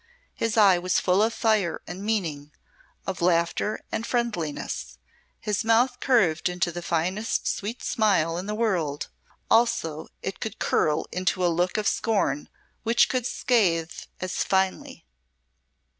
His eye was full of fire and meaning, of laughter and friendliness; his mouth curved into the finest sweet smile in the world, as also it could curl into a look of scorn which could scathe as finely.